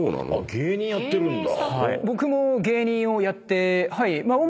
芸人やってるんだ。